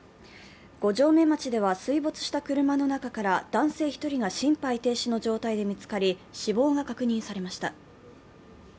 五城目町では水没した車の中から男性１人が心肺停止の状態で見つかり、死亡が確認されました。